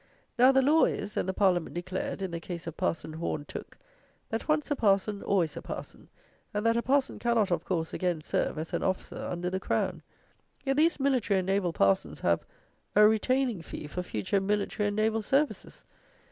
Now, the law is, and the Parliament declared, in the case of parson Horne Tooke, that once a parson always a parson, and that a parson cannot, of course, again serve as an officer under the crown. Yet these military and naval parsons have "a retaining fee for future military and naval services!"